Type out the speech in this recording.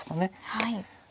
はい。